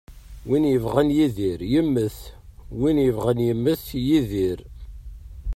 Win yebɣan yidir yemmet ,win yebɣan yemmet yidir.